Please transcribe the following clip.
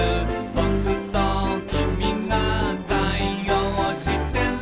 「ぼくときみが対応してる」